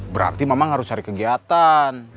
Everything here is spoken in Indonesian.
berarti memang harus cari kegiatan